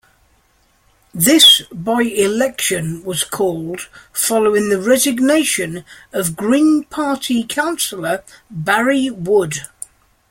This by-election was called following the resignation of Green Party councillor Barrie Wood.